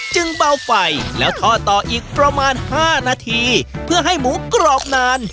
เบาไฟแล้วทอดต่ออีกประมาณ๕นาทีเพื่อให้หมูกรอบนาน